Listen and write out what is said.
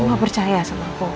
om gak percaya sama aku